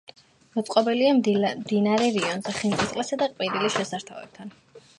მოწყობილია მდინარე რიონზე, ხანისწყლისა და ყვირილის შესართავებთან.